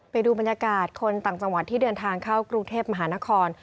ไปดูบรรยากาศคนต่างจังหวัดที่เดินทางเข้ากรุงเทพมหานคร